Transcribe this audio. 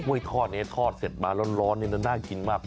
ทอดนี้ทอดเสร็จมาร้อนนี่น่ากินมาก